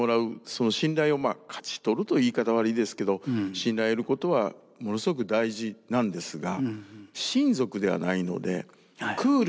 その信頼を勝ち取るという言い方悪いですけど信頼を得ることはものすごく大事なんですが親族ではないのでクールでないといけないんです。